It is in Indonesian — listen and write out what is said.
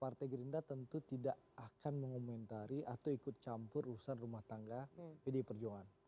partai gerindra tentu tidak akan mengomentari atau ikut campur urusan rumah tangga pdi perjuangan